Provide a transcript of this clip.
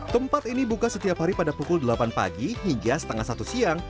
tempat ini buka setiap hari pada pukul delapan pagi hingga setengah satu siang